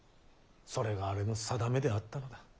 それがあれの宿命であったのだ。